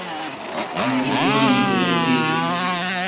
مہ دی گوا این تہ رو تی۔